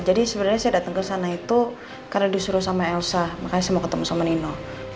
jadi sebenarnya saya datang ke sana itu karena disuruh sama elsa makanya mau ketemu sama nino